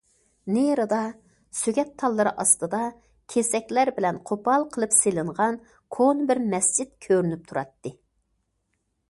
نېرىدا سۆگەت تاللىرى ئاستىدا كېسەكلەر بىلەن قوپال قىلىپ سېلىنغان كونا بىر مەسچىت كۆرۈنۈپ تۇراتتى.